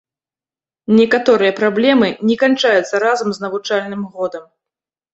Некаторыя праблемы не канчаюцца разам з навучальным годам.